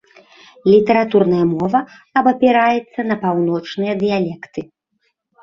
Літаратурная мова абапіраецца на паўночныя дыялекты.